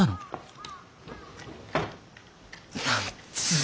何つう。